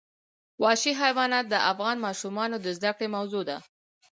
وحشي حیوانات د افغان ماشومانو د زده کړې موضوع ده.